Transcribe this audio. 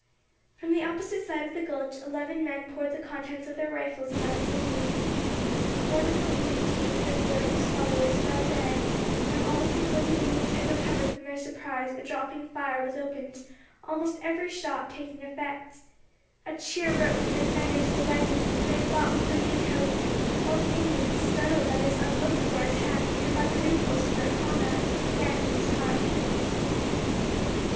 From the opposite side of the gulch eleven men poured the contents of their rifles among the Indians. One of the leading chiefs and four of his followers fell dead, and almost before the Indians had recovered from their surprise a dropping fire was opened, almost every shot taking effect. A cheer broke from the defenders of the waggons, and they fought with renewed hope, while the Indians, startled by this unlooked for attack, and by the repulse of their comrades, began to lose heart.